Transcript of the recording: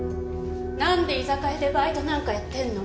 なんで居酒屋でバイトなんかやってんの？